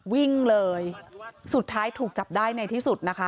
วิ่งเลยสุดท้ายถูกจับได้ในที่สุดนะคะ